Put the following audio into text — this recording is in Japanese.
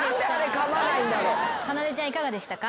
かなでちゃんいかがでしたか？